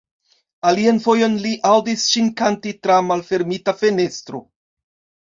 Alian fojon li aŭdis ŝin kanti tra malfermita fenestro.